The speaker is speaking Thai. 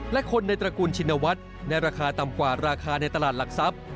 และคนในตระกูลชินวัฒน์ในราคาต่ำกว่าราคาในตลาดหลักทรัพย์